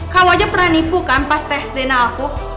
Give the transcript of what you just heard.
kalau aja pernah nipu kan pas tes dna aku